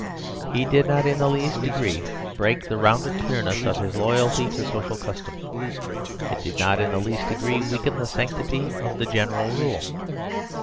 It did not in the least degree break the rounded clearness of his loyalty to social custom. It did not in the least degree weaken the sanctity of the general rule.